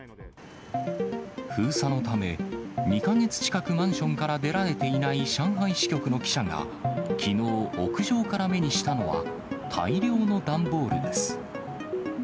封鎖のため、２か月近くマンションから出られていない上海支局の記者が、きのう屋上から目にしたのは、大量の段ボールです。